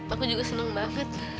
aku juga senang banget